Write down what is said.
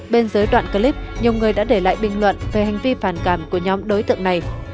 bên dưới đoạn clip nhiều người đã để lại bình luận về hành vi phản cảm của nhóm đối tượng này